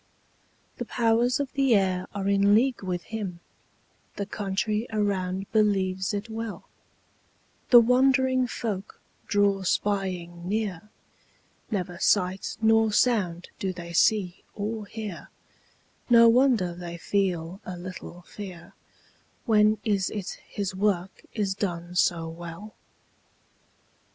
The powers of the air are in league with him; The country around believes it well; The wondering folk draw spying near; Never sight nor sound do they see or hear; No wonder they feel a little fear; When is it his work is done so well?